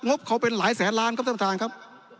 บเขาเป็นหลายแสนล้านครับท่านประธานครับ